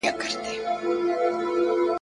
پر هغي لاري به وتلی یمه ..